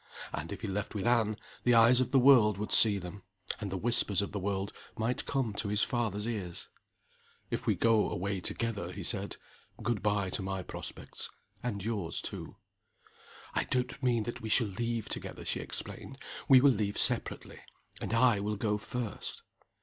And if he left with Anne, the eyes of the world would see them, and the whispers of the world might come to his father's ears. "If we go away together," he said, "good by to my prospects, and yours too." "I don't mean that we shall leave together," she explained. "We will leave separately and I will go first."